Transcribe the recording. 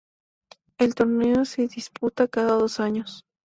El Torneo se disputa cada dos años.